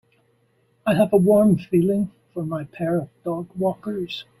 I have a warm feeling for my pair of dogwalkers.